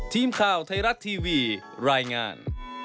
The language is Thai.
ทีมข่าวไทยรัฐทีวีรายงาน